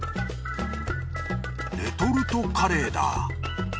レトルトカレーだ。